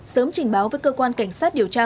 sớm trình báo với cơ quan cảnh sát điều tra